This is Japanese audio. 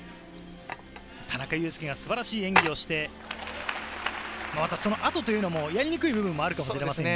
田中佑典が素晴らしい演技をして、またその後というのも、やりにくい部分もあるかもしれませんね。